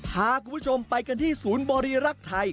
พาคุณผู้ชมไปกันที่ศูนย์บริรักษ์ไทย